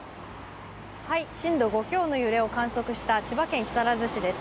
震度５強の揺れを観測した千葉県木更津市です。